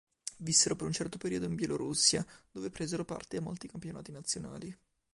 Vissero per un certo periodo in Bielorussia, dove presero parte a molti campionati nazionali.